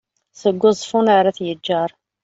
seg uẓeffun ar at yeğğer